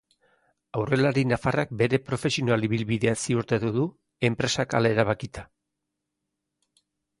Aurrelari nafarrak bere profesional ibilbidea ziurtatu du, enpresak hala erabakita.